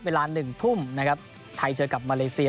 เวลา๑ทุ่มนะครับไทยเจอกับมาเลเซีย